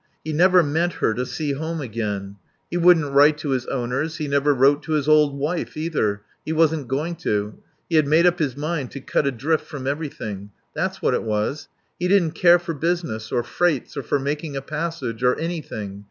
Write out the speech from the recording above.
He never meant her to see home again. He wouldn't write to his owners, he never wrote to his old wife, either he wasn't going to. He had made up his mind to cut adrift from everything. That's what it was. He didn't care for business, or freights, or for making a passage or anything.